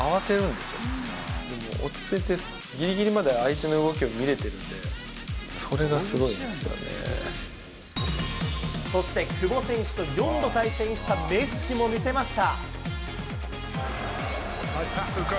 でも、落ち着いてぎりぎりまで相手の動きを見れてるんで、それがそして久保選手と４度対戦したメッシも見せました。